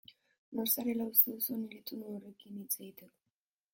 Nor zarela uste duzu niri tonu horrekin hitz egiteko?